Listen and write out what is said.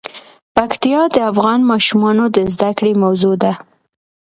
پکتیا د افغان ماشومانو د زده کړې موضوع ده.